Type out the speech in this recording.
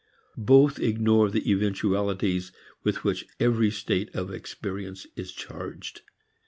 Both ignore the eventualities with which every state of experience is charged.